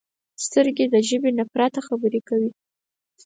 سترګې د ژبې نه پرته خبرې کوي